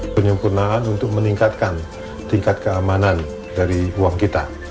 penyempurnaan untuk meningkatkan tingkat keamanan dari uang kita